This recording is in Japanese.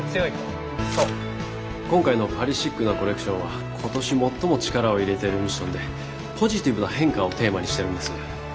今回のパリシックなコレクションは今年最も力を入れてるミッションで「ポジティブな変化」をテーマにしてるんです。